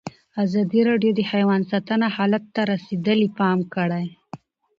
ازادي راډیو د حیوان ساتنه حالت ته رسېدلي پام کړی.